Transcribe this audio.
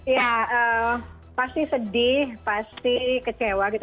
ya pasti sedih pasti kecewa gitu